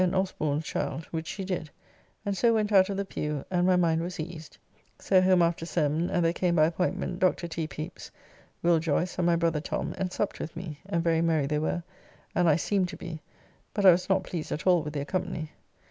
Osborne's child, which she did, and so went out of the pew, and my mind was eased. So home after sermon and there came by appointment Dr. T. Pepys, Will. Joyce, and my brother Tom, and supped with me, and very merry they were, and I seemed to be, but I was not pleased at all with their company.